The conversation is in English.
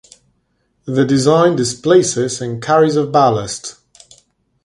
The design displaces and carries of ballast.